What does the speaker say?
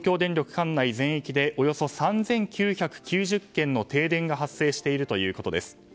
管内全域でおよそ３９９０軒の停電が発生しているということです。